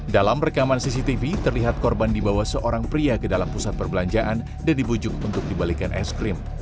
dalam rekaman cctv terlihat korban dibawa seorang pria ke dalam pusat perbelanjaan dan dibujuk untuk dibalikan es krim